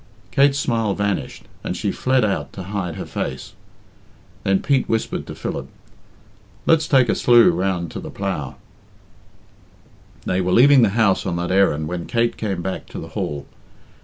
Kate's smile vanished, and she fled out to hide her face. Then Pete whispered to Philip, "Let's take a slieu round to the 'Plough.'" They were leaving the house on that errand when Kate came back to the hall.